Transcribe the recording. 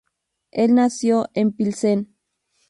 El nació en Pilsen.